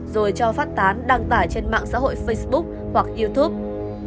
rồi cho phát tán đăng tải trên mạng xã hội facebook hoặc youtube